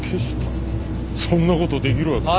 そんなことできるわけ。